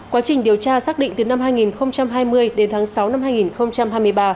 quá trình điều tra xác định từ năm hai nghìn hai mươi đến tháng sáu năm hai nghìn hai mươi ba